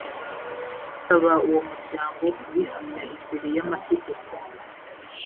usaba uwo muryango kubihamya imbere y’amategeko